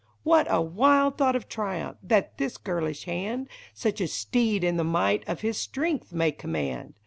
What a wild thought of triumph, that this girlish hand Such a steed in the might of his strength may command